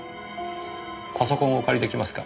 パソコンをお借り出来ますか？